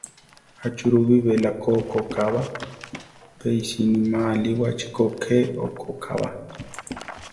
Achúrubi beláko okokába; pe isíini ma aliwáchi ko ké okóʼkaba.